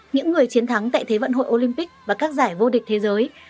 những người chiến thắng tại thế vận hội olympic và các giải vô địch thế giới